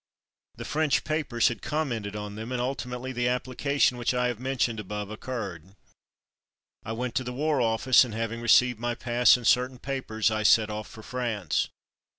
The French papers had com mented on them, and ultimately the appli cation which I have mentioned above occurred. I went to the War Office and having received my pass and certain papers, I set off for France.